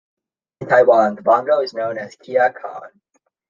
In Taiwan, the Bongo is known as Kia Kaon.